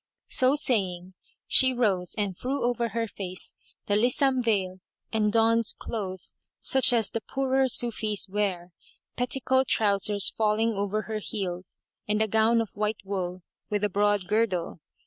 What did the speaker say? So saying, she rose and threw over her face the Lisam veil and donned clothes such as the poorer Sufis wear, petticoat trousers falling over her heels, and a gown of white wool with a broad girdle.